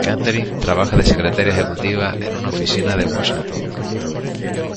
Catherine trabaja de secretaria ejecutiva en una oficina de Washington.